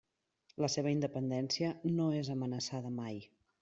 La seva independència no és amenaçada mai.